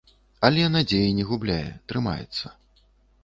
Але надзеі не губляе, трымаецца.